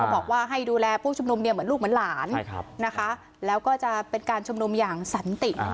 บอกว่าให้ดูแลผู้ชุมนุมเนี่ยเหมือนลูกเหมือนหลานนะคะแล้วก็จะเป็นการชุมนุมอย่างสันติ